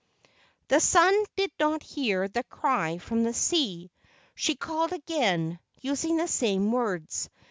The sun did not hear the cry from the sea. She called again, using the same words.